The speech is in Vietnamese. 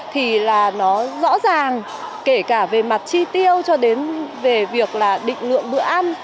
thì là nó rõ ràng kể cả về mặt chi tiêu cho đến về việc là định lượng bữa ăn